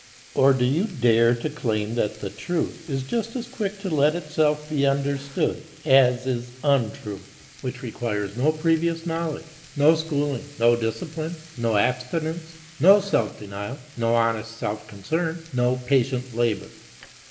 Or do you dare to claim that "the truth" is just as quick to let itself be understood as is untruth, which requires no previous knowledge, no schooling, no discipline, no abstinence, no self denial, no honest self concern, no patient labor!